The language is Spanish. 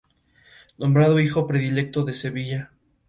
Nombrado hijo predilecto de Sevilla.